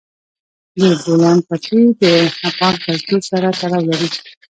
د بولان پټي د افغان کلتور سره تړاو لري.